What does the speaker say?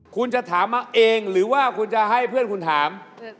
คุณจะถามมาเองหรือว่าคุณจะให้เพื่อนคุณถาม